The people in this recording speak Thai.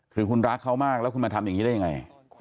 คือคุณรักเขามากแล้วคุณมาทำอย่างนี้ได้ยังไง